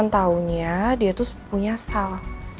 saunya dia tuh punya asal